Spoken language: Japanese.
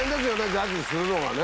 ジャッジするのがね